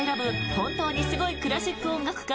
本当にすごいクラシック音楽家